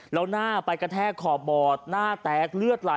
แล้วหน้าไปกระแทกขอบบอดหน้าแตกเลือดไหล